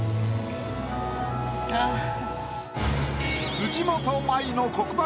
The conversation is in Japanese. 辻元舞の黒板